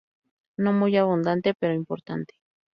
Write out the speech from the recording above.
No muy abundante, pero importante.